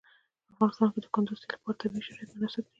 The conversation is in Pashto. په افغانستان کې د کندز سیند لپاره طبیعي شرایط مناسب دي.